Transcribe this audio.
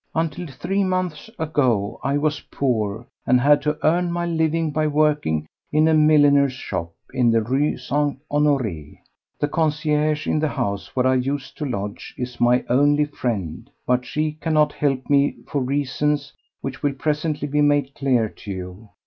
Until three months ago I was poor and had to earn my living by working in a milliner's shop in the Rue St. Honoré. The concierge in the house where I used to lodge is my only friend, but she cannot help me for reasons which will presently be made clear to you.